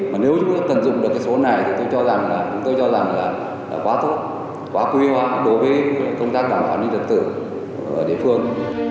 mà nếu chúng ta cần dùng được cái số này thì tôi cho rằng là quá tốt quá quy hoá đối với công tác đảm bảo an ninh tật tự ở địa phương